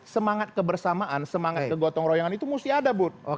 semangat kebersamaan semangat kegotong royongan itu mesti ada bud